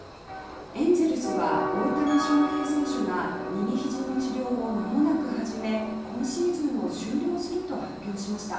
エンゼルスは大谷翔平選手が右ひじの治療をまもなく始め今シーズンを終了すると発表しました。